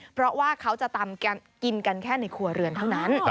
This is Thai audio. เพราะว่าเขาจะตำกินกันแค่ในครัวเรือนเท่านั้น